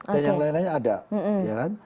dan yang lain lainnya ada